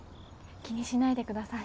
気にしないでください。